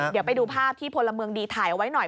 เดี๋ยวไปดูภาพที่พลเมืองดีถ่ายเอาไว้หน่อย